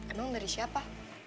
emang dari siapa